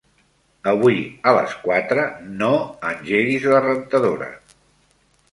Avui a les quatre no engeguis la rentadora.